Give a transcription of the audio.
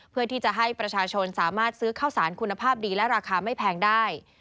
เพื่อที่จะให้ประชาชนสามารถซื้อข้าวสารคุณภาพดีและราคาไม่แพงได้